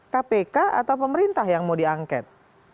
kpk atau pemerintah yang mau diangket